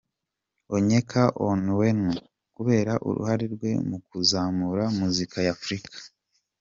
Onyeka Onwenu, kubera uruhare rwe mu kuzamura muzika ya Africa.